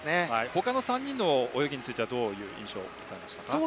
他の３人の泳ぎについてはどういう印象でしたか？